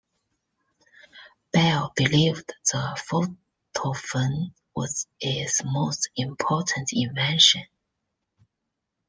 Bell believed the photophone was his most important invention.